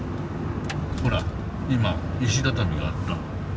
ほら今石畳があった。